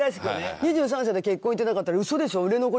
２３歳で結婚いってなかったらウソでしょ売れ残り？